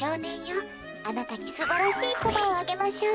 あなたにすばらしいコマをあげましょう。